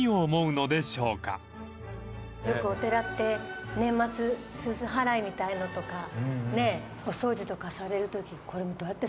よくお寺って年末すす払いみたいのとかお掃除とかされるときどうやってお掃除すんだろ。